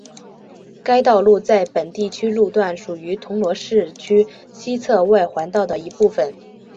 该道路在本地区路段属于铜锣市区西侧外环道的一部分。